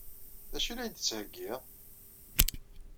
D acu i la yi-d-tettheggiḍ?